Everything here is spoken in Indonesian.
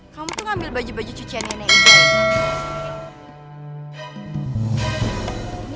kamu tuh ngambil baju baju cucian nenek